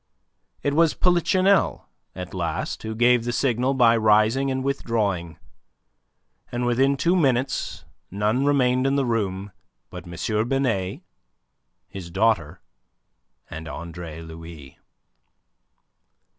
It was Polichinelle, at last, who gave the signal by rising and withdrawing, and within two minutes none remained in the room but M. Binet, his daughter, and Andre Louis.